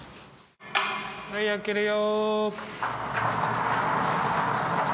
はい開けるよ。